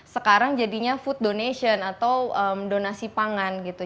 sekarang jadinya food donation atau donasi pangan gitu